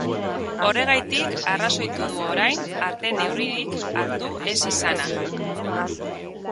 Horregatik arrazoitu du orain arte neurririk hartu ez izana.